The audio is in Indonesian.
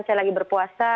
saya lagi berpuasa